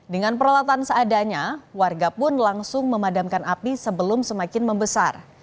dengan peralatan seadanya warga pun langsung memadamkan api sebelum semakin membesar